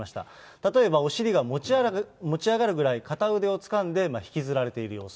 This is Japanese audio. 例えばお尻が持ち上がるぐらい片腕をつかんで引きずられている様子。